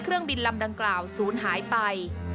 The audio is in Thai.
เครื่องบินลำดังกล่าวศูนย์หายไป